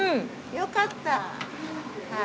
よかったはい。